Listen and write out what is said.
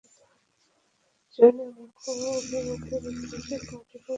যৌন অভিমুখিতার ঐতিহাসিক পাঠ এবং সংজ্ঞা সময়ে সময়ে পরিবর্তিত হয়েছে।